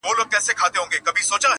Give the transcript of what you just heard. هره مور ده پرهارونه د ناصورو-